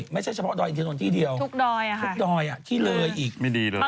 ไม่ใช่เฉพาะดอยอินทนนท์ที่เดียวทุกดอยทุกดอยที่เลยอีกไม่ดีเลย